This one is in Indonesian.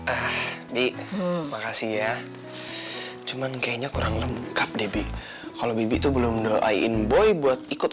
ah di makasih ya cuman kayaknya kurang lengkap debbie kalau bibi itu belum doain boy buat ikut